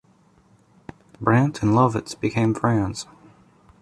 Brandt and Lovitz became friends.